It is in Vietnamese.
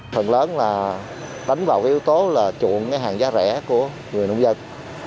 phần lớn là đánh vào yếu tố là chuộng hàng giá rẻ của người nông dân